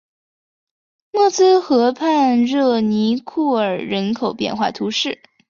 默兹河畔热尼库尔人口变化图示